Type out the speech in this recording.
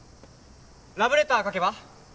ラブレター書けば？